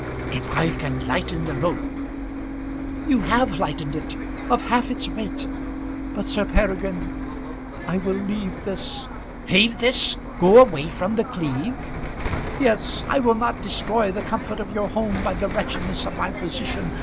"If I can lighten the load " "You have lightened it of half its weight; but, Sir Peregrine, I will leave this " "Leave this! go away from The Cleeve!" "Yes; I will not destroy the comfort of your home by the wretchedness of my position.